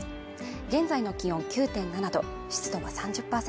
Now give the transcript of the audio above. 現在の気温９．７度湿度は３０％